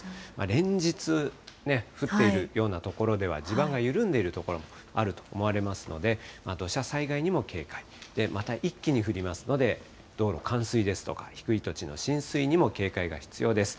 連日、降っているような所では、地盤が緩んでいる所もあると思われますので、土砂災害にも警戒、また、一気に降りますので、道路、冠水ですとか、低い土地の浸水にも警戒が必要です。